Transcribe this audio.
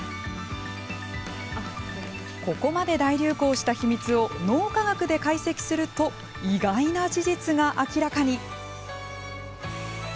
ここまで大流行した秘密を脳科学で解析すると意外な事実が明らかに。